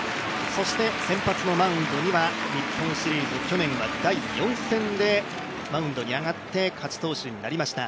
そして先発のマウンドには日本シリーズ去年は第４戦でマウンドに上がって勝ち投手になりました